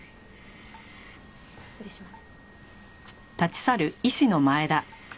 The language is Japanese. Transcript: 失礼します。